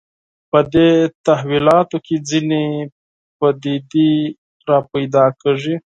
په دې تحولاتو کې ځینې پدیدې راپیدا کېږي